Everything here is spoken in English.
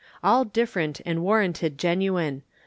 All different and warranted genuine.